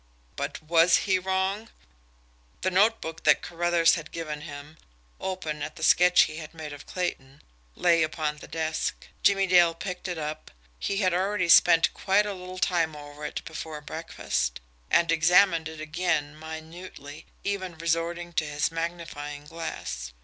But was he wrong! The notebook that Carruthers had given him, open at the sketch he had made of Clayton, lay upon the desk. Jimmie Dale picked it up he had already spent quite a little time over it before breakfast and examined it again minutely, even resorting to his magnifying glass.